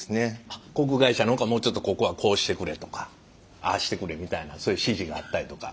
航空会社の方からもうちょっとここはこうしてくれとかああしてくれみたいなそういう指示があったりとか。